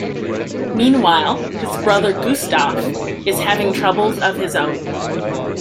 Meanwhile, his brother Gustav is having troubles of his own.